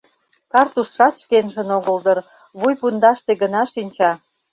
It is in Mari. Картузшат шкенжын огыл дыр: вуй пундаште гына шинча.